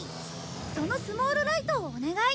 そのスモールライトをお願い！